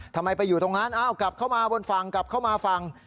ทำไมไปอยู่ตรงนั้นอ้าวกลับเข้ามาบนฝั่งกลับเข้ามาฝั่ง